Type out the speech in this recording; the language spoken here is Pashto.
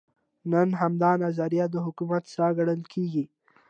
نن همدا نظریه د حکومت ساه ګڼل کېږي.